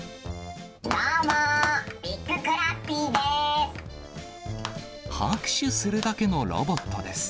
どうもー、拍手するだけのロボットです。